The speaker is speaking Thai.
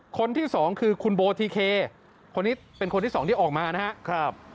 คนที่สองคือคุณโบทีเคคนนี้เป็นคนที่สองที่ออกมานะครับ